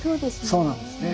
そうなんですね。